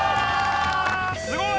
すごい！